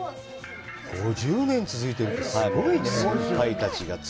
５０年続いてるって、すごいね。